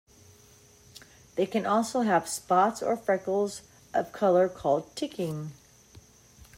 They can also have spots or freckles of color, called ticking.